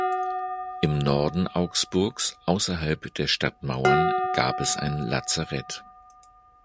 Im Norden Augsburgs, außerhalb der Stadtmauern, gab es ein Lazarett.